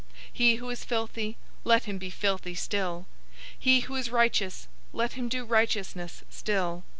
He who is filthy, let him be filthy still. He who is righteous, let him do righteousness still.